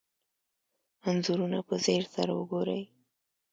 انځورونه په ځیر سره وګورئ.